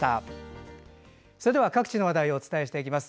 各地の話題をお伝えしていきます。